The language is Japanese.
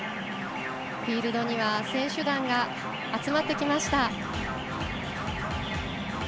フィールドには選手団が集まってきました。